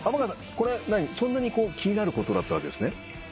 これそんなに気になることだったわけですね？